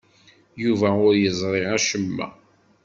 Yuba ur yeẓri acemma.